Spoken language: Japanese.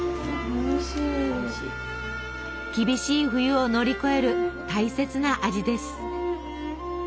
厳しい冬を乗り越える大切な味です。